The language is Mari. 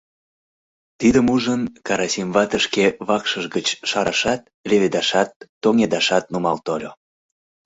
Тидым ужын, Карасим вате шке вакшышыж гыч шарашат, леведашат, тоҥедашат нумал тольо.